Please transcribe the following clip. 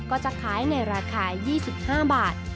ก็จะขายในราคา๒๕บาท